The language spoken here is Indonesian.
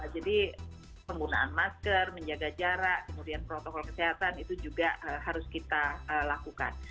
jadi penggunaan masker menjaga jarak kemudian protokol kesehatan itu juga harus kita lakukan